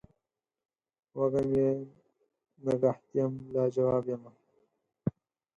وږم یم نګهت یم لا جواب یمه